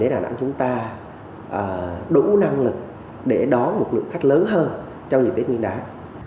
đà nẵng chúng ta đủ năng lực để đón một lượng khách lớn hơn trong dịp tết nguyên đáng